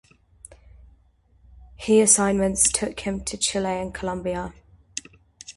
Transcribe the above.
He assignments took him to Chile and Colombia.